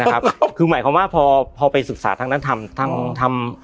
นะครับคือหมายความว่าพอพอไปศึกษาทางนั้นทำทำทำทำ